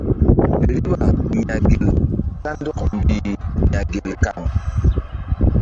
Riɓa ya̧ gel kandɔk mbih ya̧ gel kan.